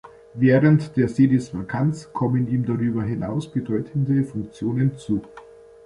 Während der Sedisvakanz kommen ihm darüber hinaus bedeutende Funktionen zu.